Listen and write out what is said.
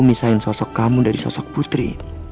misain sosok kamu dari sosok putri